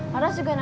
laras juga nanti